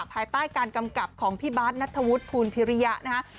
ภายใต้การกำกับของพี่บาทนัทธวุฒิภูลพิริยะนะคะ